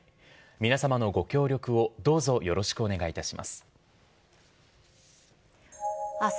皆様のご協力をどうぞよろしくお願いいたします。